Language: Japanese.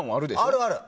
ある、ある。